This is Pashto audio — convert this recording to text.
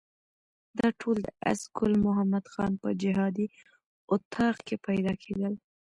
دا ټول د آس ګل محمد خان په جهادي اطاق کې پیدا کېدل.